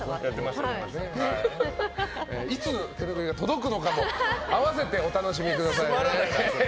いつ手ぬぐいが届くのかと併せてお楽しみください。